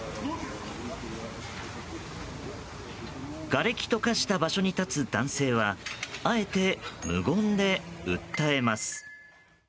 がれきと化した場所に立つ男性はあえて無言で訴えます。